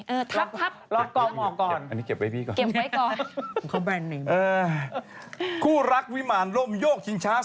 เอาของพี่หนุ่มก่อนไหมเอาของพี่หนุ่มมาก่อน